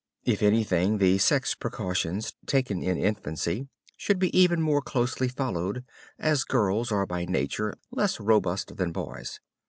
If anything the sex precautions taken in infancy should be even more closely followed, as girls are by nature less robust than boys.